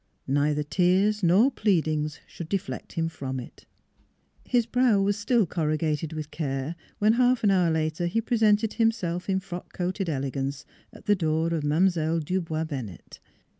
Neither tears nor pleadings should deflect him from it. ... His brow was still corrugated with care when NEIGHBORS 349 half an hour later he presented himself in frock coated elegance at the door of Mile. Dubois Bennett.